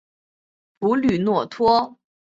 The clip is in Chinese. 普吕默托。